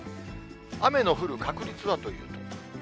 雨の降る確率はというと。